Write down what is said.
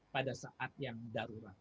pada saat yang darurat